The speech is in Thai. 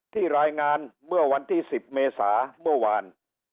รายงานเมื่อวันที่๑๐เมษาเมื่อวาน